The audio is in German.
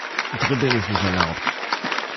Dribbeln ist nicht erlaubt.